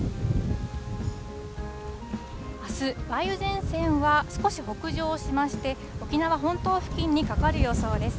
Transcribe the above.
あす、梅雨前線は少し北上しまして、沖縄本島付近にかかる予想です。